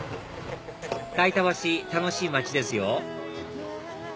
代田橋楽しい街ですよ